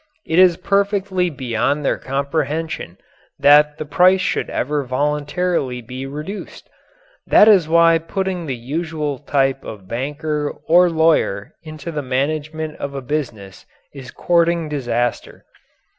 It is perfectly beyond their comprehension that the price should ever voluntarily be reduced. That is why putting the usual type of banker or lawyer into the management of a business is courting disaster.